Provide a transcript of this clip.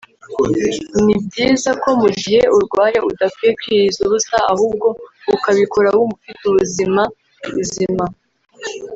ni byiza ko mu gihe urwaye udakwiye kwiyiriza ubusa ahubwo ukabikora wumva ufite ubuzima buzima